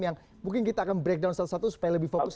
yang mungkin kita akan breakdown satu satu supaya lebih fokus